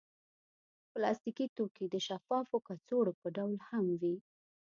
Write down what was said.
پلاستيکي توکي د شفافو کڅوړو په ډول هم وي.